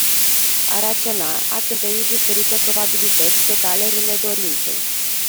A raționa - a cântări diferite probabilități pe talerele dorinței.